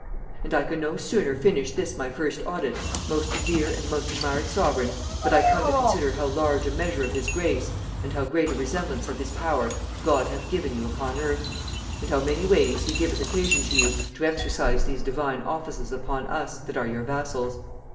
And I can no sooner finish this my first audit, most dear and most admired sovereign, but I come to consider how large a measure of his grace, and how great a resemblance of his power, God hath given you upon earth; and how many ways he giveth occasion to you to exercise these divine offices upon us, that are your vassals.